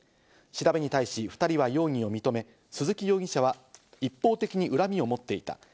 調べに対し２人は容疑を認め、鈴木容疑者は一方的に恨みを持っていた。